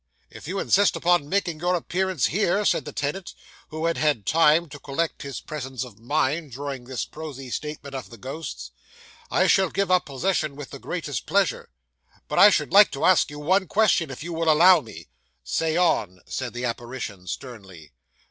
"If you insist upon making your appearance here," said the tenant, who had had time to collect his presence of mind during this prosy statement of the ghost's, "I shall give up possession with the greatest pleasure; but I should like to ask you one question, if you will allow me." "Say on," said the apparition sternly.